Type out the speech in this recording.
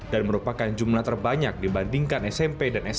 dan merupakan jumlah terbanyak dari tingkat sd smp hingga sma atau smk